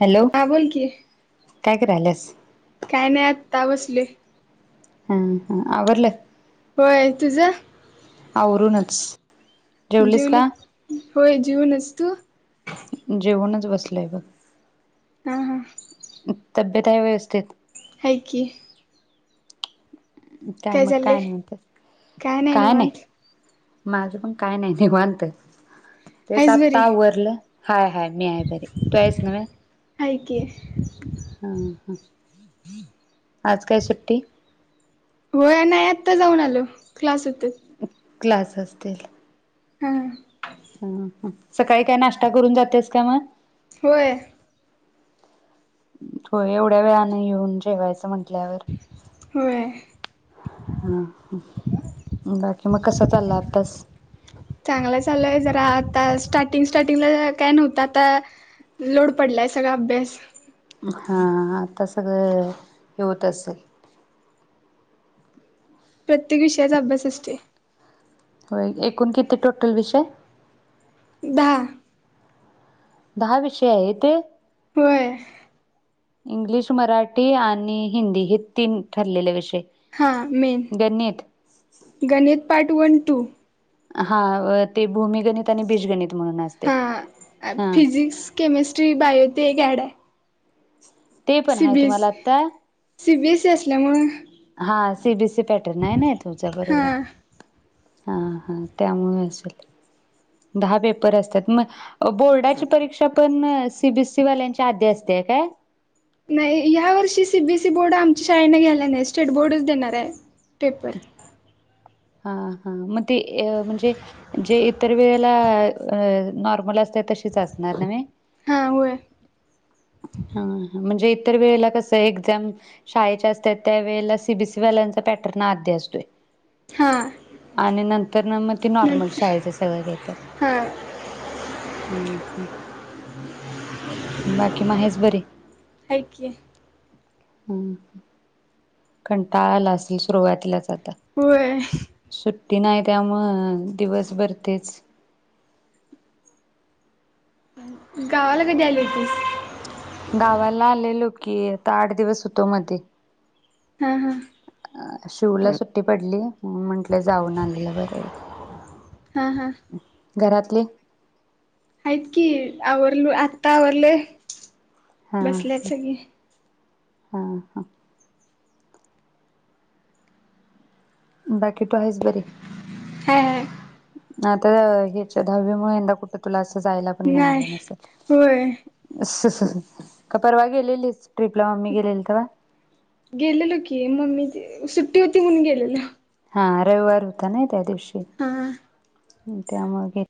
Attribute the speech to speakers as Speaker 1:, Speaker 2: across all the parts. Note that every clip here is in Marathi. Speaker 1: हॅलो
Speaker 2: हा बोल की,
Speaker 1: काय करायलियास
Speaker 2: काय नाय आत्ता बसले.
Speaker 1: हम हा आवरलं
Speaker 2: होय तुझ
Speaker 1: आवरूनच जेवलीस
Speaker 2: जेवली
Speaker 1: का
Speaker 2: होय जीऊनच् तू
Speaker 1: बसलेय बग
Speaker 2: हा हा
Speaker 1: हम् तब्येत आहे व्यवस्तीत
Speaker 2: हाय की,
Speaker 1: काय मग काय आणि म्हणत्यास काय नाही. माझं पण काय नाही निवांत तेच
Speaker 2: आहेस
Speaker 1: आता
Speaker 2: बरी
Speaker 1: आवरल. हाय हाय मी आहे बरी तू आहेस नवें
Speaker 2: आहे की,
Speaker 1: हा ह आज काय सुट्टी?
Speaker 2: होय नाही आत्ता जाऊन आलो क्लास होत. ते
Speaker 1: क्लास असतील.
Speaker 2: हम्
Speaker 1: हू हू सकाळी काय नाश्ता करून जातियास काय मग
Speaker 2: होय
Speaker 1: होय एवढ्या वेळाने येेऊन जेवायचं म्हण म्हटल्यावर
Speaker 2: होय चांगला चाललाय जरा आता स्टार्टिंग स्टार्टिंगला काय नव्हतं आता लोड पडलाय सगळा अभ्यास
Speaker 1: हा तस अग हे होत असल.
Speaker 2: प्रत्येक विषयाचा अभ्यास असतोय.
Speaker 1: होय एकूण किती टोटल विषय?
Speaker 2: दहा
Speaker 1: दहा विषय आहेत.
Speaker 2: होय
Speaker 1: इंग्लिश मराठी आणि हिंदी हे तीन ठरलेले विषय
Speaker 2: हा मेन
Speaker 1: गणित
Speaker 2: गणित पार्ट वन टू
Speaker 1: हा ते भूमिगणित आणि बीजगणित म्हणून असते
Speaker 2: हा
Speaker 1: हा
Speaker 2: फिजिक्स केमिस्ट्री बायो ते एक ॲड हाय
Speaker 1: ते पण आहे तुम्हाला
Speaker 2: सीबीएसई
Speaker 1: आता
Speaker 2: सीबीएसई असल्यामुळे
Speaker 1: हा सीबीसी पॅटर्न आहे ना तुझा
Speaker 2: हा
Speaker 1: बरोबरय हा हा त्यामुळे असल दहा पेपर असत्या त मग बोर्डाची परीक्षा पण सीबीएसईी वाल्यांच्या आधी असतेया काय.
Speaker 2: नाही या वर्षी सीबीएसई बोर्ड आमची शाळेने घ्यायला नाही स्टेट बोर्डच देणाराय पेपर
Speaker 1: हा हा मग ते अ म्हणजे जे इतर वेळेला अ नॉर्मल असत तशीच असणार नव्हे
Speaker 2: हां होय
Speaker 1: हा हा म्हणजे इतर वेळेला कसय एक्झाम शाळेच्या असतात त्या वेळेला सीबीसी वाल्यांचा पॅटर्न आधी असतोय
Speaker 2: हां
Speaker 1: आणि नंतर ना मग ते
Speaker 2: न
Speaker 1: नॉर्मल शाळेच सगळं घेत्यात
Speaker 2: हां आहे
Speaker 1: हं हं बाकी म आहेस बरी.
Speaker 2: की
Speaker 1: हम्म ह कंटाळा आला असेल सुरुवातलाच
Speaker 2: होय [inaudible]
Speaker 1: ती नाही त्यामुळ दिवस भर तेच
Speaker 2: [inaudible] गावाला कधी आली होतीस
Speaker 1: गावाला आलेलो की आता आठ दिवस होतो मध्ये
Speaker 2: ह ह
Speaker 1: अ शिवला सुट्टी पडली म्हंटलं जाऊन आलेलं बर
Speaker 2: हां हां
Speaker 1: [inaudible] घरातले?
Speaker 2: हाईत कि आवरलू आत्ता आवरलय
Speaker 1: हा
Speaker 2: बसल्यात सगळे
Speaker 1: हा हा बाकी तू हायेस बरी
Speaker 2: [unintelligible]
Speaker 1: आता ह्याच्या दहावीमुळे यंदा कुठं क्लास जायला पण मिळाल
Speaker 2: नाही
Speaker 1: नसल
Speaker 2: होय
Speaker 1: [unintelligible] का परवा गेलेलीच? ट्रिपला मम्मी गेलेली तेव्हा
Speaker 2: [inaudible] गेलेलो की मम्मी ती सुट्टी होती म्हणून गेलेलो
Speaker 1: हा रविवार होता नाही त्या दिवशी [unintelligible]
Speaker 2: हां
Speaker 1: [unintelligible] ह त्या मागे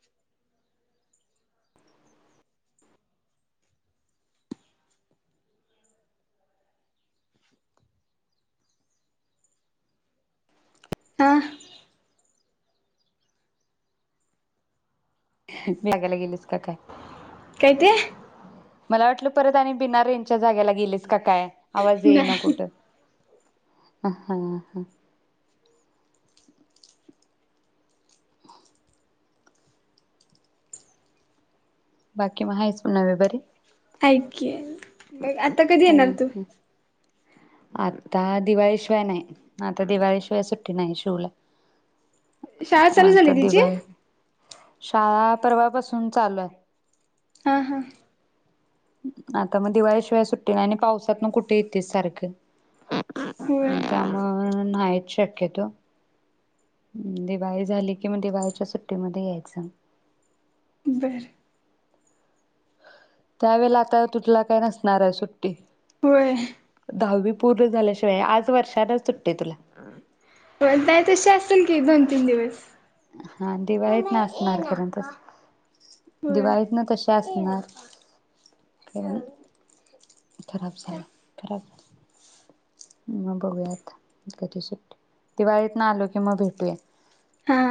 Speaker 2: आं
Speaker 1: [inaudible] लागायला गेलीस का काय
Speaker 2: काय ते
Speaker 1: मला वाटलं परत आणि बिना रेंजच्या जाग्याला गेलीस का काय आवाज येई ना
Speaker 2: नाही
Speaker 1: कुठं अ हा हा [inaudible] बाकी म हायच म्हणावी बरी
Speaker 2: ऐक की आता कधी
Speaker 1: ह
Speaker 2: येणार तू?
Speaker 1: आता दिवाळीशिवाय नाही आता दिवाळीशिवाय सुट्टी नाही शिव ला
Speaker 2: शाळा चालू झाली तिची
Speaker 1: शाळा परवापासून चालू आहे
Speaker 2: हम् हम्
Speaker 1: आता मग दिवाळीशिवाय सुट्टतील ना आणि पावसात मग कुठे येेतेस सारखं
Speaker 2: होय
Speaker 1: त्यामुळे? नाही येत शक्यतो दिवाळी झाली कि दिवाळीच्या सुट्टीमध्ये
Speaker 2: बर
Speaker 1: त्यावेळेला आता तुथला काय नसणार आहे सुट्टी
Speaker 2: होय
Speaker 1: दहावी पूर्ण झाल्याशिवाय आज वर्षान सुटते तुला
Speaker 2: हो नाही तशी असेल की दोन तीन दिवस
Speaker 1: हा दिवाळीत ना असणारपर्यंत
Speaker 2: होय
Speaker 1: दिवाळीत ना तशी त्याचणार खराब झा खराब झा मग बघूया आता कधी सुट्टी दिवाळीत ना आलो की मग भेटूया
Speaker 2: हा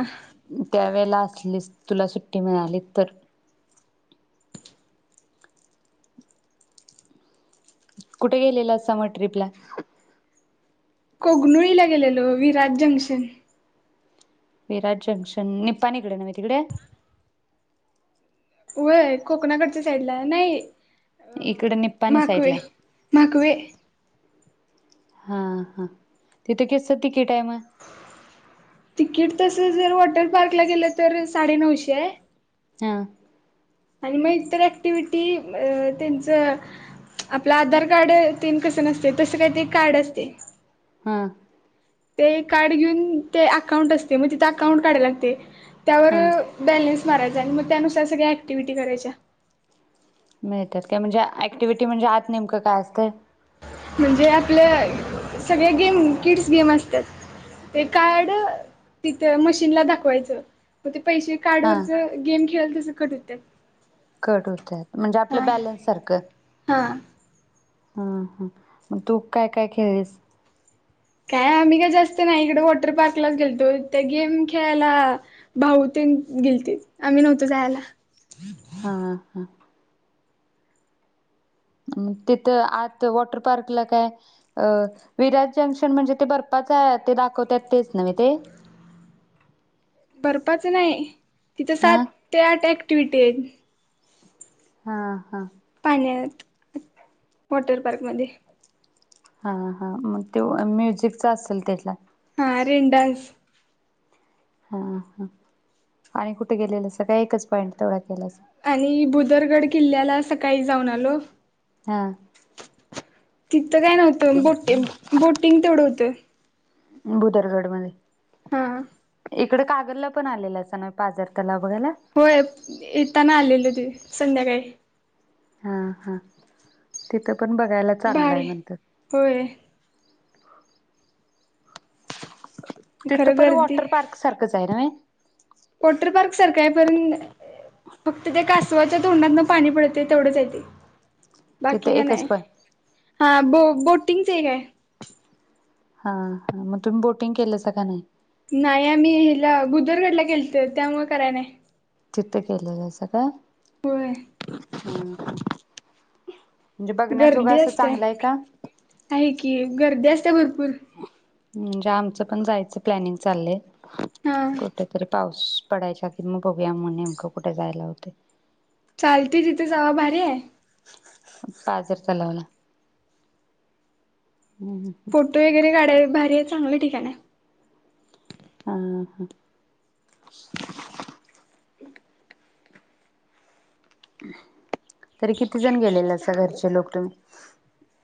Speaker 1: वेळेला असलीस तुला सुट्टी मिळाली तर कुठे गेलेला समर ट्रिप ला
Speaker 2: कोगनुळीला गेलेलो विराज जंक्शन
Speaker 1: विराट जंक्शन निपाणीकडे ना म तिकडे
Speaker 2: व्हय कोकणाकडच्या साईडला नाही
Speaker 1: इकडे निप्पाणी
Speaker 2: माकवे
Speaker 1: साईडला
Speaker 2: माकवे
Speaker 1: हा हा तिथं कस त
Speaker 2: तिकीट तस जर हॉटेल पार्कला गेलं तर साडे नऊशे आहे
Speaker 1: हा
Speaker 2: आणि मग इतर ऍक्टिव्हटी त्यांचं आपलं आधार कार्ड तन कसं नसते तसं काही ते कार्ड असते.
Speaker 1: हम
Speaker 2: ते कार्ड घेऊन ते अकाउंट असते मग तिथ अकाउंट काढायला लागते. त्यावर
Speaker 1: हा.
Speaker 2: बॅलेन्स मारायच आणि मग त्यानुसार सगळ्या ऍक्टिव्हटी करायच्या
Speaker 1: मिळतात काय म्हणजे ऍक्टिव्हटी म्हणजे आत नेमकं काय असत
Speaker 2: म्हणजे आपल्या सगळ्या गेम किड्स गेम असतात ते कार्ड तिथ मशीनला दाखवायचं म ते पैसे
Speaker 1: हा.
Speaker 2: कार्डवररच गेम खेळल तसं कट होत्यात
Speaker 1: कट होत म्हणजे आपलं बॅलन्स सारखं
Speaker 2: हा
Speaker 1: हा हा मग तू काय काय खेळलीस?
Speaker 2: काय आम्ही का जास्त नाही इकडे वॉटर पार्कलाच गेलतो त्या गेम खेळायला भाऊ ते गेलते आम्ही नव्हतो जायला
Speaker 1: हा हा तिथं आत वॉटर पार्कला काय अ विराट जंक्शन म्हणजे ते बर्पाच आहे ते दाखवतत तेच न म ते
Speaker 2: बर्फाच नाही तिथे
Speaker 1: हा
Speaker 2: सात ते आठ ॲक् ट्विटेन
Speaker 1: हा हा
Speaker 2: पाण्यात वॉटर पार्क मध्ये
Speaker 1: हा हा मग ते म्युझिकचा असेल त्याला
Speaker 2: हा रेन डान्स
Speaker 1: हा हा आणि कुठे? गेलेलं सग का? एकच पॉईंट तेवढा केला
Speaker 2: आणि बुदरगड किल्ल्याला सकाळी जाऊन आलो
Speaker 1: हा
Speaker 2: किती काय नव्हतं [inaudible] बोटि बोटिंग तेवढं होतं
Speaker 1: भुदरगड मध्ये
Speaker 2: हा
Speaker 1: इकडे कागलला पण आलेला अस ना पाझर तलाव बघायला
Speaker 2: होय येताना आलेलं ते संध्याकाळी
Speaker 1: हा हा तिथ पण बघायला चांगला आहे
Speaker 2: भारी
Speaker 1: म्हणतात
Speaker 2: होय
Speaker 1: तिथं पण वॉटर पार्क सारखंच आहे नव्हे
Speaker 2: पोटरी पार्क सारखं आहे पण फक्त त्या कासवाच्या तोंडात न पाणी पडते तेवढंच हाय ते
Speaker 1: तिथं एकच पण
Speaker 2: हा बो बोटिंगच आहे
Speaker 1: हा हा मग तुम्ही बोटिंग केलस का नाही?
Speaker 2: नाही आम्ही हिला भुदरगडला गेलतो त्यामुळे कराय नाही
Speaker 1: तिथं केलेलं असं काय?
Speaker 2: होय
Speaker 1: ह [inaudible] म्हणजे बघण्याजोगा
Speaker 2: गर्दी
Speaker 1: असं
Speaker 2: असते
Speaker 1: चांगलंय का?
Speaker 2: आहे की गर्दी असते भरपूर
Speaker 1: म्हणजे आमचं पण जायचं प्लॅनिंग चालय
Speaker 2: हा
Speaker 1: कुठेतरी पाऊस? पडायच्या आधी मग बघू मण नेमकं कुठे जायला होत?
Speaker 2: चालतय तिथे जावा भारी आहे.
Speaker 1: पाजर तलाव ला.
Speaker 2: फोटो वगैरे काढाय भारी ये चांगलं ठिकाण हाय.
Speaker 1: हा हा तरी किती जण गेलेल्यासा घरचे लोक तुम्ही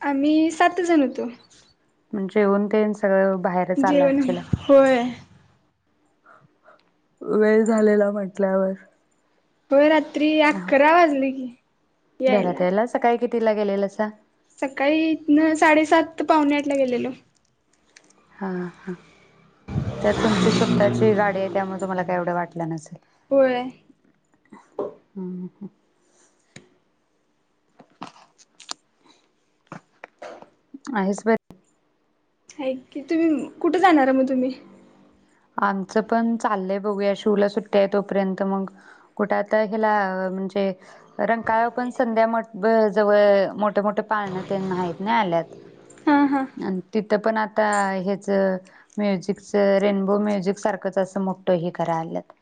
Speaker 2: आम्ही सात जण होतो.
Speaker 1: म जेवण तेन सगळं बाहेरच आला
Speaker 2: जेवण
Speaker 1: आचीला
Speaker 2: होय
Speaker 1: वेळ झालेला म्हटल्यावर
Speaker 2: होय रात त्री अकरा वाजले की यायला.
Speaker 1: कीतिला गेलेलासा?
Speaker 2: सकाळी इथन साडेसात, पावणेआठला गेलेलो.
Speaker 1: हा हा तर तुमची स्वतःची गाडी आहे त्यामध्य तुम्हाला काय एवढं वाटलं नसेल.
Speaker 2: होय
Speaker 1: हम्म ह
Speaker 2: [inaudible]
Speaker 1: आहेस बरी
Speaker 2: हायत की तुम्ही कुठं जाणारा मग तुम्ही?
Speaker 1: आमचं पण चाललंय बघू या शिवला सुट्ट्या आहे तोपर्यंत मग कुठ आता ह्याला म्हणजे रंकाळ्यावर पण संध्यामठ बर जवळ मोठ-मोठ पाळणं तेन हाईत नी आल्यात.
Speaker 2: हां हां
Speaker 1: आणि तिथं पण आ आता ह्याचं म्युझिकचं रेन हो म्युझिक सारखंच असं मोठं हे करा आणल्यात.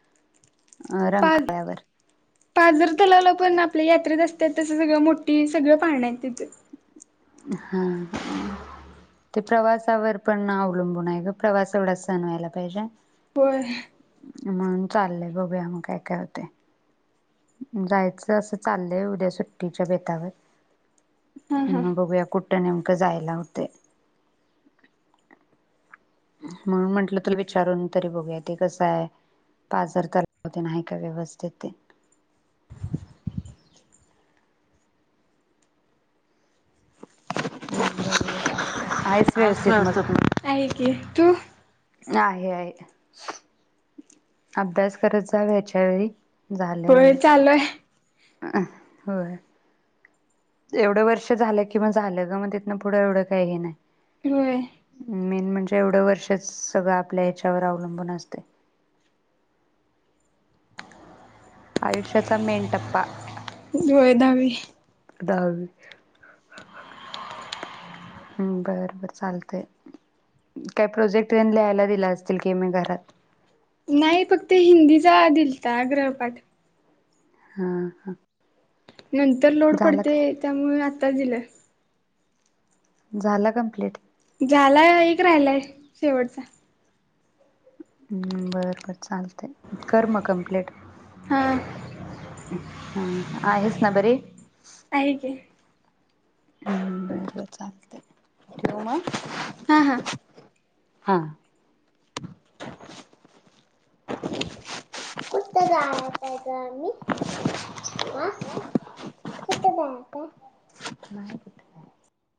Speaker 2: पा-पाजरतलावाला पण आपल्या यात्रेत असं त्यात तसं सगळं मोठी सगळं पाळण हाईत तिथं.
Speaker 1: हा ह ते प्रवासावर पण अवलंबून आहे ग प्रवास एवढा सहन व्हायला पाहिजे.
Speaker 2: होय
Speaker 1: म्हणून चाललंय बघू या मग काय काय होतंय जायचं असं चाललंय उद्या सुट्टीच्या बेतावर
Speaker 2: हा हा
Speaker 1: कुट नेमकं जायला हुतय? म्हणून म्हंटलं तुला विचारून तरी बघूया ते कसं हाय? पाजर तलाव तेन हाय काय व्यवस्थित ते बर बर चालतंय. आहेस व्यवस्थित मग
Speaker 2: आहे की तु?
Speaker 1: आहे आहे अभ्यास करत जा वेळच्यावेळी
Speaker 2: होय चालूय
Speaker 1: अं होय एवढं वर्ष झालं की मग झालं ग मग तिथन पुढं एवढं काही हे नाही
Speaker 2: होय
Speaker 1: मेन म्हणजे एवढं वर्षच सगळं आपल्या ह्याच्यावर अवलंबून असतय आयुष्याचा मेन टप्पा
Speaker 2: होय दहावी
Speaker 1: दहावी [unintelligible] हम् बरं बरं चालतय काय? प्रोजेक्ट ते लिहायला दिलं असतील की मग घरात?
Speaker 2: नाही फक्त [unintelligible] दिलता गृहपाठ
Speaker 1: हा हा
Speaker 2: नंतर लोड
Speaker 1: झाला
Speaker 2: पडते
Speaker 1: का
Speaker 2: त्यामुळे आ आता दिलय [inaudible]
Speaker 1: झालं कंप्लीट
Speaker 2: झालय एक राहिलाय शेवटचा
Speaker 1: हम्म बरोबर चालतेय कर मग कंप्लीट
Speaker 2: हं
Speaker 1: हा आहेस ना बरे
Speaker 2: आहे की
Speaker 1: हं बर बर चालतेय ठेवू मग
Speaker 2: हा हा
Speaker 1: हा कुठं जायचंय जा ह मी कुठं जायच [unintelligible] नाही कुठ